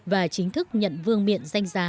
và chính thức nhận vương miệng danh giá